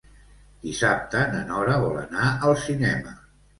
Dissabte na Nora vol anar al cinema.